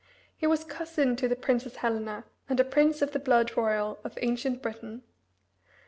He was cousin to the Princess Helena and a prince of the blood royal of ancient Britain.